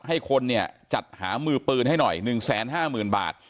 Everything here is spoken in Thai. ให้คนเนี้ยจัดหามือปืนให้หน่อยหนึ่งแสนห้ามืนบาท